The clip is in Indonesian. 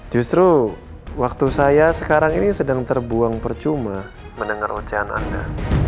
justru waktu saya sekarang ini sedang terbuang percuma mendengar ocean anda